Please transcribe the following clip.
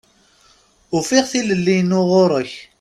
Ufiɣ tilelli-inu ɣur-k.